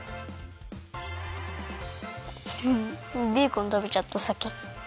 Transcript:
フフッベーコンたべちゃったさき。